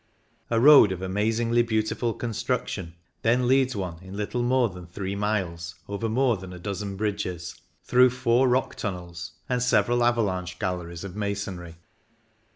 A road of amazingly beautiful con struction then leads one in little more than three miles over more than a dozen bridges, through four rock tunnels, and several avalanche galleries of masonry.